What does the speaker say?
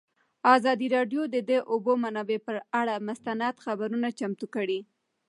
ازادي راډیو د د اوبو منابع پر اړه مستند خپرونه چمتو کړې.